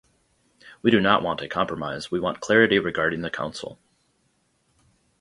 We do not want a compromise, we want clarity regarding the Council.